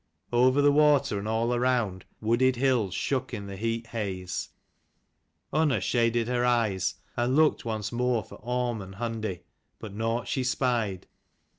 Over the water, and all round, wooded hills shook in the heat haze. Unna shaded her eyes and looked once more for Orm 9 and Hundi, but nought she spied.